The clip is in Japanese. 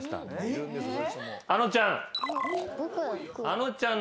あのちゃん。